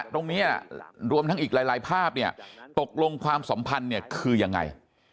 ตรงนี้รวมทั้งอีกหลายภาพเนี่ยตกลงความสัมพันธ์เนี่ยคือยังไง